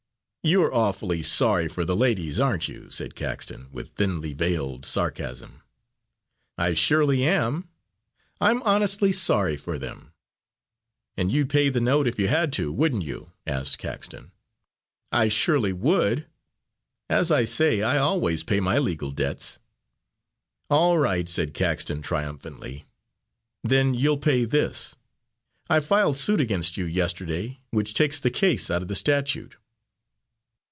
"You're awfully sorry for the ladies, aren't you?" said Caxton, with thinly veiled sarcasm. "I surely am; I'm honestly sorry for them." "And you'd pay the note if you had to, wouldn't you?" asked Caxton. "I surely would. As I say, I always pay my legal debts." "All right," said Caxton triumphantly, "then you'll pay this. I filed suit against you yesterday, which takes the case out of the statute."